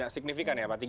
ya signifikan ya pak